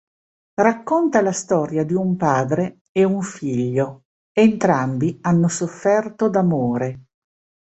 Racconta la storia di un padre e un figlio, entrambi hanno sofferto d'amore.